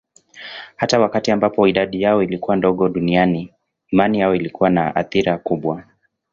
Hata wakati ambapo idadi yao ilikuwa ndogo duniani, imani yao ilikuwa na athira kubwa.